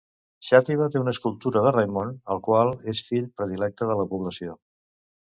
Xàtiva té una escultura de Raimon, el qual és fill predilecte de la població.